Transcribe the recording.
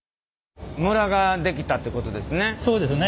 ムラが出来たってことですね？